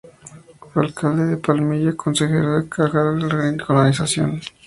Fue alcalde de Palmilla; consejero de la Caja de Colonización.